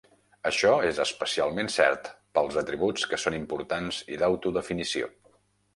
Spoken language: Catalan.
Això és especialment cert pels atributs que són importants i d"autodefinició.